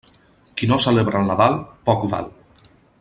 Qui no celebra el Nadal, poc val.